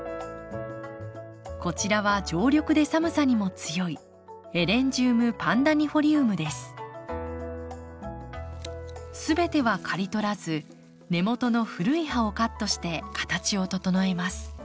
こちらは常緑で寒さにも強い全ては刈り取らず根元の古い葉をカットして形を整えます。